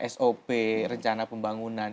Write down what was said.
sop rencana pembangunan